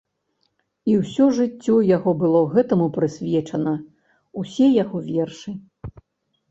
І ўсё жыццё яго было гэтаму прысвечана, усе яго вершы.